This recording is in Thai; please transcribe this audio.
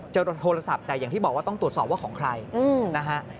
โทรศัพท์แต่อย่างที่บอกว่าต้องตรวจสอบว่าของใครนะฮะ